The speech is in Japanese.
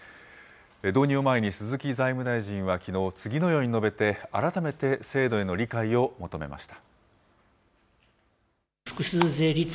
導入を前に鈴木財務大臣はきのう、次のように述べて、改めて制度への理解を求めました。